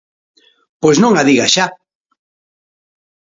Pois non a diga xa.